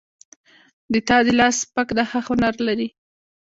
د تا لاس سپک ده ښه هنر لري